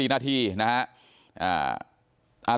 ๔นาทีนะครับ